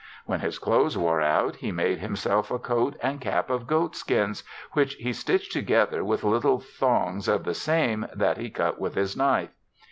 When his clothes wore out he made him self a coat and cap of goatskins, which he stitch'd together with little thongs of the same that he cut with his knife.